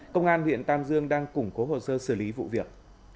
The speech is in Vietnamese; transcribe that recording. công an huyện tam dương đang củng cố hồ sơ xử lý vụ việc